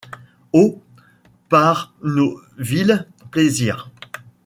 Oh ! par nos vils plaisirs… »